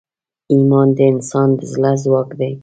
ایمان د انسان د زړه ځواک دی.